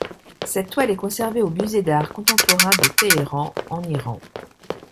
Cette toile est conservée au Musée d'art contemporain de Téhéran en Iran.